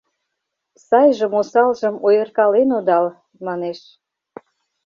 Сайжым-осалжым ойыркален одал, — манеш.